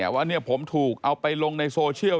ว่าผมถูกเอาไปลงในโซเชียล